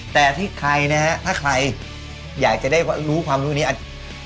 แต่ถ้าใครอยากจะได้รู้ความรู้ในนี่